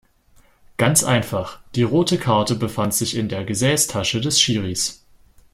Ganz einfach: Die rote Karte befand sich in der Gesäßtasche des Schiris.